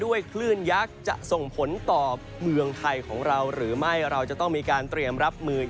คลื่นยักษ์จะส่งผลต่อเมืองไทยของเราหรือไม่เราจะต้องมีการเตรียมรับมือ